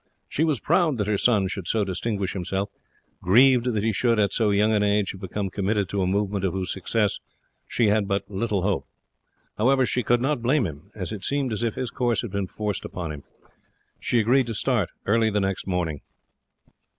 She was proud that her son should so distinguish himself, grieved that he should, at so young an age, have become committed to a movement of whose success she had but little hope. However, she could not blame him, as it seemed as if his course had been forced upon him. She agreed to start early the next morning.